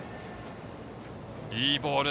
いいボール。